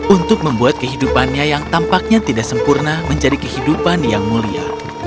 untuk membuat kehidupannya yang tampaknya tidak sempurna menjadi kehidupan yang mulia